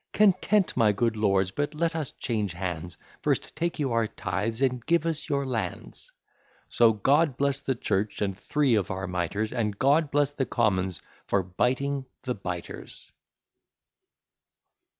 Content, my good lords; but let us change hands; First take you our tithes, and give us your lands. So God bless the Church and three of our mitres; And God bless the Commons, for biting the biters.